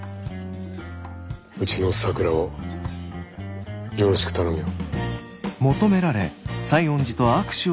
うちの咲良をよろしく頼むよ。